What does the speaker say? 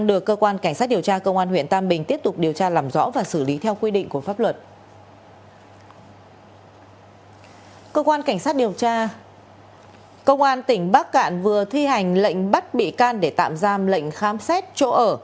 để tạm giam lệnh khám xét chỗ ở